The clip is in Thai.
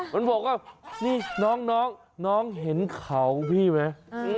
มันบอกว่านี่น้องน้องเห็นเขาพี่ไหม